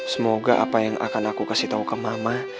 semoga apa yang akan aku kasih tahu ke mama